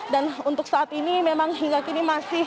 dan untuk saat ini memang hingga kini masih